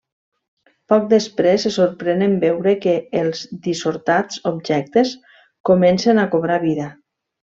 Poc després se sorprèn en veure que els dissortats objectes comencen a cobrar vida.